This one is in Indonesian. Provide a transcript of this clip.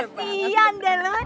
kasian deh lo